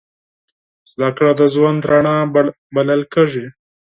زدهکړه د ژوند رڼا بلل کېږي.